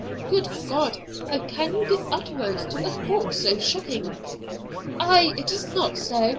'Good God! how can you give utterance to a thought so shocking?' 'Ay, is it not so?